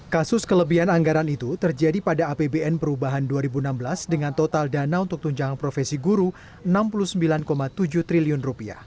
kasus kelebihan anggaran itu terjadi pada apbn perubahan dua ribu enam belas dengan total dana untuk tunjangan profesi guru rp enam puluh sembilan tujuh triliun